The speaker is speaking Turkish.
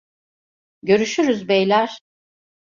Görüşürüz beyler.